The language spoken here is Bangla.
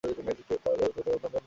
দারাপুত্র ধনজন কেহ কারো নয়।